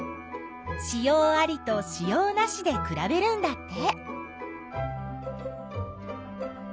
子葉ありと子葉なしでくらべるんだって。